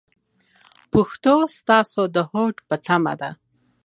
پښتو ستاسو د هوډ په تمه ده.